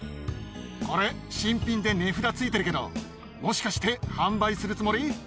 これ、新品で値札ついてるけど、もしかして販売するつもり？